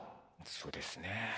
そうですね。